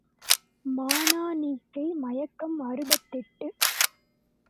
மானனீகை மயக்கம் அறுபத்தெட்டு.